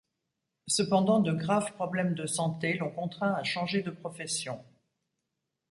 Cependant, de graves problèmes de santé l’ont contraint à changer de profession.